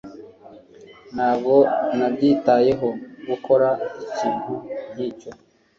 Ntabwo nabyitayeho gukora ikintu nkicyo